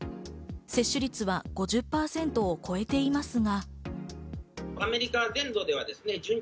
接種率は５０％を超えていますが。